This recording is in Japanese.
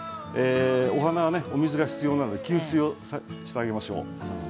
お花はお水が必要なので吸水してあげましょう。